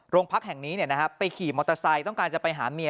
พักแห่งนี้ไปขี่มอเตอร์ไซค์ต้องการจะไปหาเมีย